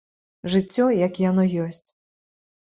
Жыццё як яно ёсць.